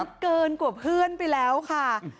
มันเกินกว่าเพื่อนไปแล้วค่ะ